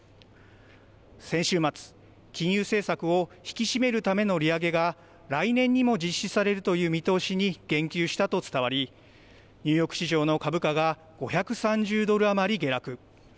先週末、金融政策を引き締めるための利上げが来年にも実施されるという見通しに言及したと伝わりニューヨーク市場の株価が５３０ドル余り下落。